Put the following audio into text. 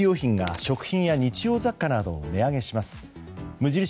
無印